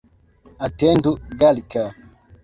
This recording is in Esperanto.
Atendu, Galka!